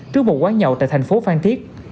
trước một quán nhậu tại thành phố phan thiết